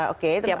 oke terus apa